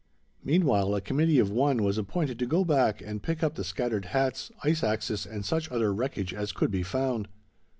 Meanwhile, a committee of one was appointed to go back and pick up the scattered hats, ice axes, and such other wreckage as could be found.